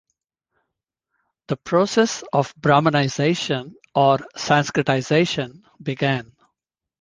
The process of Brahminisation or Sanskritisation began.